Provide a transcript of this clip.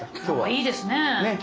いいですねぇ。